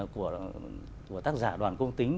của tác giả đoàn công tính